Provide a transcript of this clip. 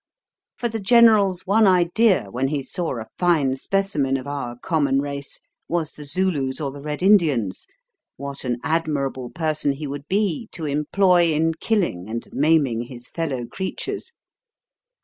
For the General's one idea when he saw a fine specimen of our common race was the Zulu's or the Red Indian's what an admirable person he would be to employ in killing and maiming his fellow creatures!